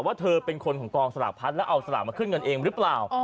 ว่าเธอเป็นคนของกองสลากพัดแล้วเอาสลากมาขึ้นเงินเองหรือเปล่า